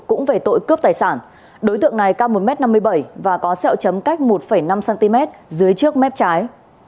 cũng về tội cướp tài sản đối tượng này cao một m năm mươi bảy và có sẹo chấm cách một năm cm dưới trước mép trái